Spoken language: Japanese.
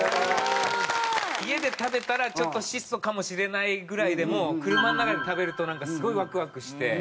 家で食べたらちょっと質素かもしれないぐらいでも車の中で食べるとなんかすごいワクワクして。